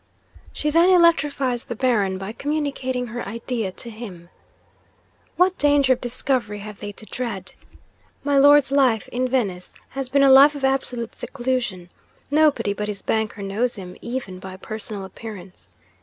She then electrifies the Baron by communicating her idea to him. What danger of discovery have they to dread? My Lord's life in Venice has been a life of absolute seclusion: nobody but his banker knows him, even by personal appearance.